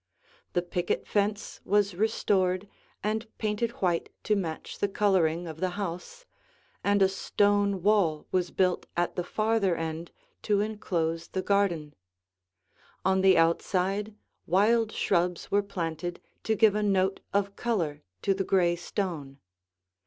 The picket fence was restored and painted white to match the coloring of the house, and a stone wall was built at the farther end to enclose the garden; on the outside wild shrubs were planted to give a note of color to the gray stone.